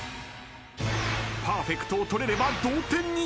［パーフェクトを取れれば同点に］